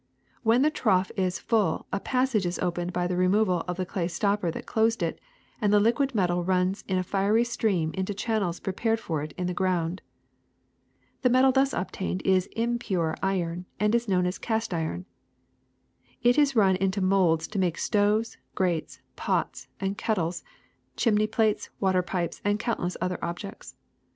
When the trough is full a passage is opened by the removal of the clay stopper that closed it, and the liquid metal runs in a fiery stream into channels pre pared for it in the ground. ^^The metal thus obtained is impure iron and is known as cast iron. It is run into molds to make stoves, grates, pots, and kettles, chimney plates, water pipes, and countless other objects.